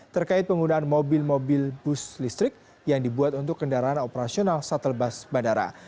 terkait penggunaan mobil mobil bus listrik yang dibuat untuk kendaraan operasional shuttle bus bandara